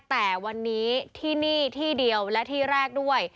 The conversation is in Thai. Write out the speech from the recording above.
แต่วันนี้ที่นี่ที่เดียวและที่แรกด้วย